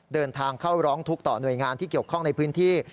เดินทางเข้าร้องทุกข์ต่อหน่วยงานที่เกี่ยวข้องในพื้นที่